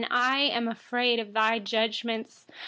I am afraid of your judgments.